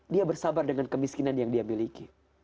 dia bersabar dengan kemiskinan yang dia miliki